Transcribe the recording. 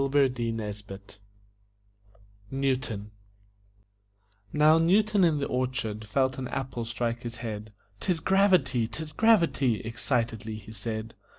NEWTON Now, Newton in the orchard felt an apple strike his head. "'Tis gravity! 'Tis gravity!" excitedly he said.